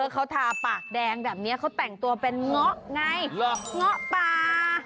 เขาทาปากแดงแบบนี้เขาแต่งตัวเป็นเงาะไงเงาะป่า